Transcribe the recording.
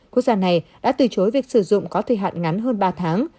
quốc gia này đã từ chối việc sử dụng có thời hạn ngắn hơn ba tháng